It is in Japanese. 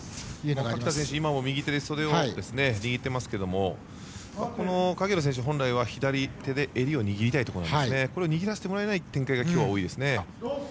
垣田選手は左の右手で袖を握っていますが影浦選手は本来は左手で襟を握りたいところですが握らせてもらえない展開が今日は多いですね。